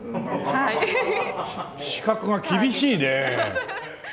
資格が厳しいね！